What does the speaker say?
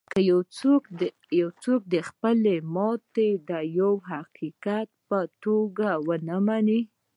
که یو څوک خپله ماتې د یوه حقیقت په توګه و نهمني